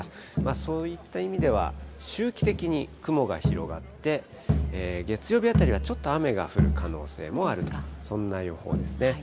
そういった意味では、周期的に雲が広がって、月曜日あたりはちょっと雨が降る可能性もあると、そんな予報ですね。